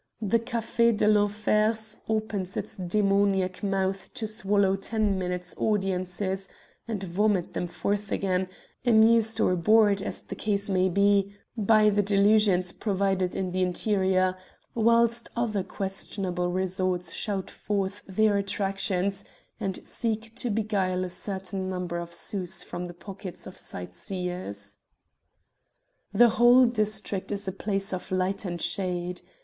The Café de l'Enfers opens its demoniac mouth to swallow ten minutes' audiences and vomit them forth again, amused or bored, as the case may be, by the delusions provided in the interior, whilst other questionable resorts shout forth their attractions and seek to beguile a certain number of sous from the pockets of sightseers. The whole district is a place of light and shade.